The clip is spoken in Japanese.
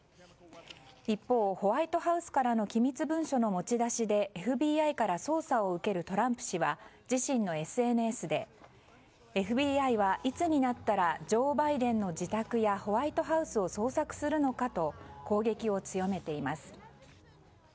一方、ホワイトハウスからの機密文書の持ち出しでＦＢＩから捜査を受けるトランプ氏は自身のＳＮＳでＦＢＩはいつになったらジョー・バイデンの自宅やホワイトハウスを捜索するのかと攻撃を強めています。